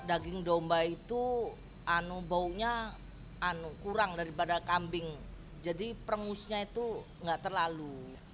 daging domba itu baunya kurang daripada kambing jadi perengusnya itu enggak terlalu